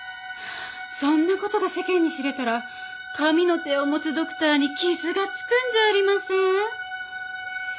そんな事が世間に知れたら神の手を持つドクターに傷がつくんじゃありません？